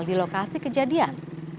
hal di lokasi kejadian